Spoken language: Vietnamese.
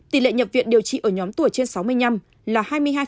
tỷ lệ nhập viện điều trị ở nhóm tuổi trên sáu mươi năm là hai mươi hai